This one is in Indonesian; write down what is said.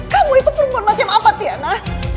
kamu itu perempuan macam apa tiana